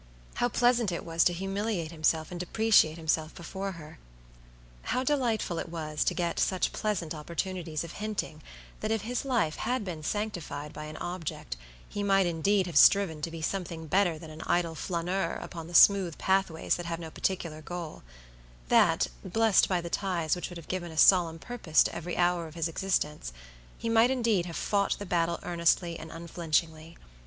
How pleasant it was to humiliate himself and depreciate himself before her! How delightful it was to get such splendid opportunities of hinting that if his life had been sanctified by an object he might indeed have striven to be something better than an idle flaneur upon the smooth pathways that have no particular goal; that, blessed by the ties which would have given a solemn purpose to every hour of his existence, he might indeed have fought the battle earnestly and unflinchingly.